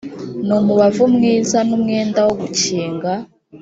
n umubavu mwiza n umwenda wo gukinga